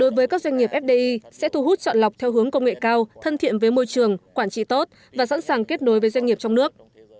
đối với các doanh nghiệp fdi sẽ thu hút chọn lọc theo hướng công nghệ cao thân thiện với môi trường quản trị tốt và sẵn sàng kết nối với doanh nghiệp trong nước